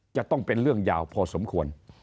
จะต้องเป็นเรื่องยาวพอสมควร